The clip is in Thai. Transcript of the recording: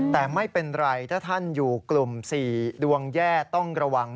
แต่ไม่เป็นไรถ้าท่านอยู่กลุ่ม๔ดวงแย่ต้องระวัง